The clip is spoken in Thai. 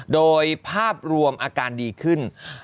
โดยภาพรวมอาการดีขึ้น